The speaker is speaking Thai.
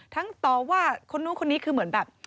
ต่อว่าคนนู้นคนนี้คือเหมือนแบบ